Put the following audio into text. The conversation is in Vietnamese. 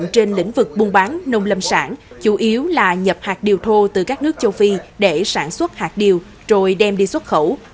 trên lĩnh vực buôn bán nông lâm sản chủ yếu là nhập hạt điều thô từ các nước châu phi để sản xuất hạt điều rồi đem đi xuất khẩu